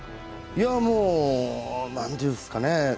いや、もうなんて言うんですかね